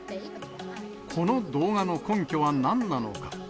この動画の根拠はなんなのか。